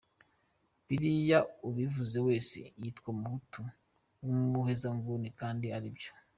Biriya ubivuze wese, yitwa umuhutu w’umuhezanguni kandi ari byo!